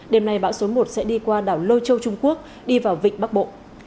đêm nay bão số một sẽ đi qua đảo lôi châu trung quốc đi vào vịnh bắc bộ